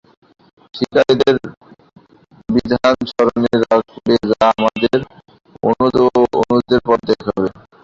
শিকারীদের বিধান স্মরণে রাখবে, যা আমাদের অগ্রজ ও অনুজদের পথ দেখিয়েছে।